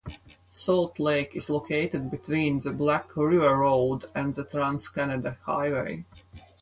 Salt Lake is located between the Black River Road and the Trans Canada Highway.